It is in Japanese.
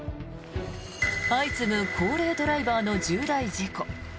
相次ぐ高齢ドライバーの重大事故。